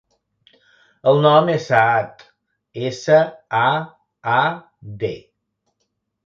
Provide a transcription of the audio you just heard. El nom és Saad: essa, a, a, de.